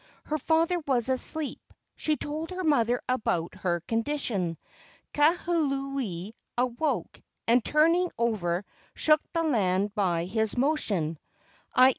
Her father was asleep. She told her mother about her condition. Kahuli awoke and turning over shook the land by his motion, i.